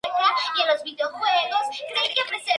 Esta sería una de las causas del inicio de la guerra posterior.